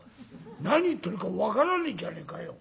何言ってるか分からねえじゃねえかよ。